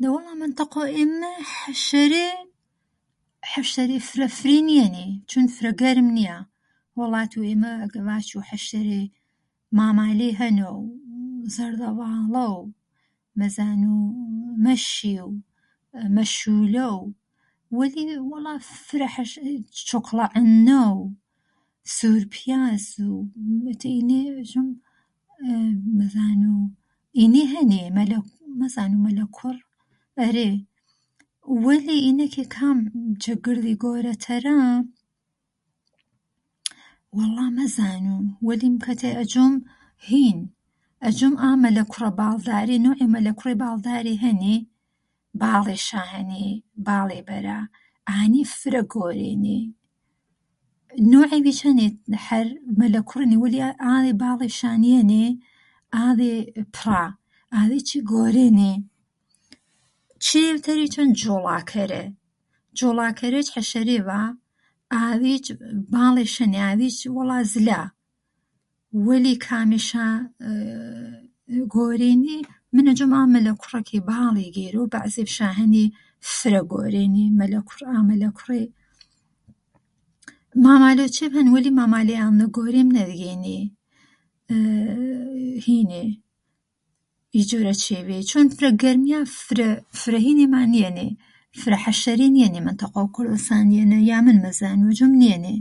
دەی وەڵا مەنتەقەو ئێمە، حەشەرە، حەشەرێ فرە فرێ نیەنێ چوون فرە گەرم نیا وەلاتوو ئێمە ئەگەر ڤاچوو حەشەرێ مامالێ هەنەو زەرذەڤاڵەو، مەزانوو مەشی و مەشوولەو وەڵا فرە عەشەرێ، چۆکڵە عننە و سوورپیاز و ئێتر ئینێ مەزانوو مەلەک مەزانوو مەلەکوڕوو ئەرێ وەلی ئینە کە کام جە گرذی گۆرەتەرا وەڵا مەزانوو وەلیمکەتەی ئەجۆم هین ئا مەلەکورە باڵدارە نۆعێڤ مەلەکوڕێ باڵدارێ هەنێ باڵێشا هەنێ باڵی بەرا ئانێ فرە گەورێنێ. نۆعیڤیچ هەن حەر مەلەکوڕێنێ وەلی ئاذێ باڵێشا نیەنێ ئاذێ پڕا. ئاذێچێ گۆرێنێ. چێڤێڤ تەریچ هەن جۆڵاکەرە، جۆڵاکەرەیچ حەشەرێڤا ئاذیبچ باڵێش هەنێ ئاذیچ وەڵا زلا. وەلی کامێش ئێێێێ گۆرێنێ، من ئەجۆم ئا مەلەکورە کە باڵی گێرۆ بەعزێڤشا هەنی فرە گۆرێنێ ئا مەلەکوڕە ئا مەلەکوڕێ. مامالەو چێڤ هەن وەلی مامالێ ئاننە گۆرێم نەذیێنێ. ئێێێ هینێ ئی جۆرە چێڤێ چوون فرە گەرم نیا فرە فرە هینێما نیەنێ فرە حەشەرێ نیەنێ مەنتقەو کۆرذەسانیەنە یا من مەزانوو ئەجۆم نیەنێ